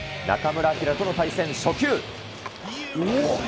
中村晃との対戦、初球。